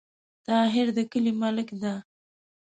طاهر د کلې ملک ده